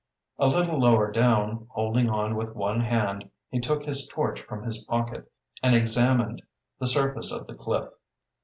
A little lower down, holding on with one hand, he took his torch from his pocket and examined the surface of the cliff.